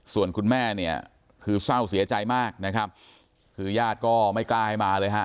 ส่วนคุณแม่เนี่ยคือเศร้าเสียใจมากนะครับคือญาติก็ไม่กล้าให้มาเลยฮะ